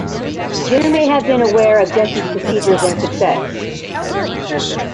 Jenner may have been aware of Jesty's procedures and success.